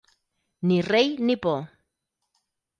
Ni rei ni por.